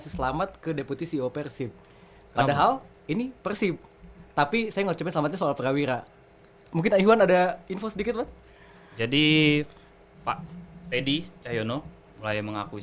semua orang mempunyai kepentingan